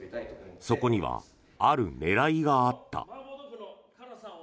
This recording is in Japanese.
そこには、ある狙いがあった。